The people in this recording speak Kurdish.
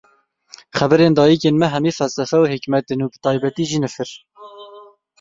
Xeberên dayîkên me hemû felsefe û hîkmet in bi taybetî jî nifir.